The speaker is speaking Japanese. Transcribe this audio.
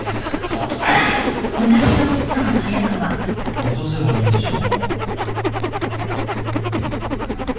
落とせばいいんでしょ？